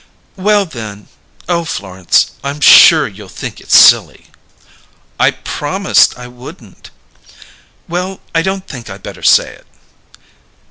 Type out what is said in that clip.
"Well, then oh, Florence I'm sure you'll think it's silly!" "I promised I wouldn't." "Well I don't think I better say it."